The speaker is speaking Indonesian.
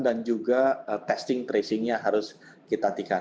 dan juga testing tracingnya harus kita tiketkan